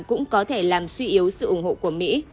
cũng có thể làm suy yếu sự ủng hộ của mỹ